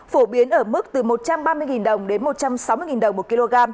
phổ biến ở mức từ một trăm ba mươi đồng đến một trăm sáu mươi đồng một kg